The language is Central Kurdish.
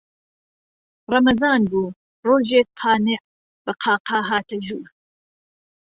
ڕەمەزان بوو، ڕۆژێک قانیع بە قاقا هاتە ژوور